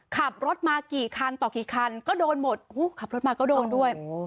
ขับรถมากี่คันต่อกี่คันก็โดนหมดขับรถมาก็โดนด้วย